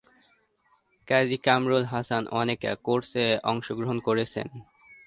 কাজী কামরুল হাসান অনেক কোর্সে অংশগ্রহণ করেছেন।